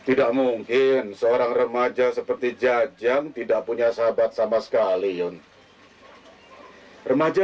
tidak mungkin seorang remaja seperti jajang tidak punya sahabat sama sekali yon